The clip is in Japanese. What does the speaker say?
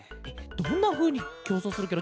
どんなふうにきょうそうするケロ？